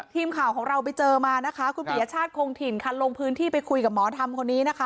ทีมข่าวของเราไปเจอมานะคะคุณปียชาติคงถิ่นค่ะลงพื้นที่ไปคุยกับหมอธรรมคนนี้นะคะ